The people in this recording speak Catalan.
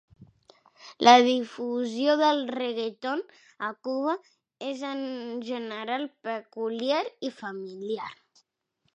La difusió del reggaeton a Cuba és en general peculiar i familiar.